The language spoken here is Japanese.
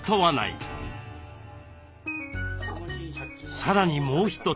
さらにもう一つ。